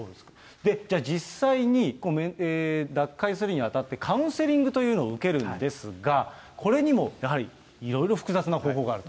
実際に、脱会するにあたってカウンセリングというのを受けるんですが、これにもやはり、いろいろ複雑な方法がある。